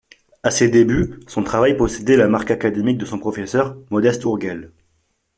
À ses débuts, son travail possédait la marque académique de son professeur, Modest Urgell.